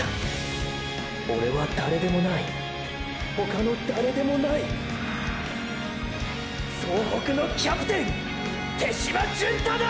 オレは誰でもない他の誰でもない総北のキャプテン手嶋純太だ！！